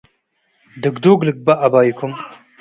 ድግዱግ ልግባእ ለአባይኩም”